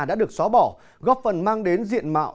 đã được xóa bỏ góp phần mang đến diện mạo